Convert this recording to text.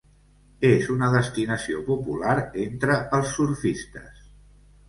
És una destinació popular entre els surfistes.